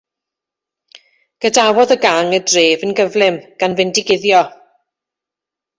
Gadawodd y gang y dref yn gyflym gan fynd i guddio.